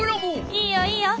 いいよいいよ。